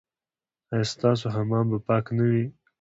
ایا ستاسو حمام به پاک نه وي؟